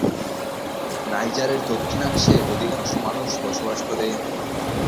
নাইজারের দক্ষিণাংশে অধিকাংশ মানুষ বসবাস করে।